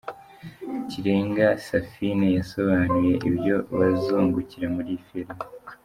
Kirenga Saphine yasobanuye ibyo bazungukira muri iyi filimi.